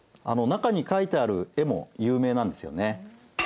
あの中に書いてある絵も有名なんですよね。